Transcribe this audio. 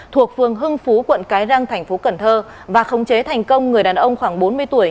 thuộc phường hưng phú quận cái răng thành phố cần thơ và khống chế thành công người đàn ông khoảng bốn mươi tuổi